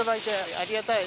ありがたい。